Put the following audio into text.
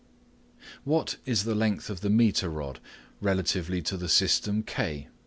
What is the length of the metre rod relatively to the system K?